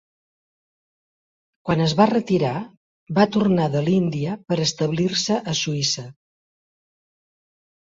Quan es va retirar, va tornar de l'Índia per establir-se a Suïssa.